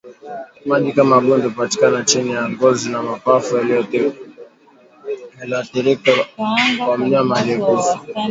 Maji kama gundi hupatikana chini ya ngozi na mapafu yaliyoathirika kwa mnyama aliyekufa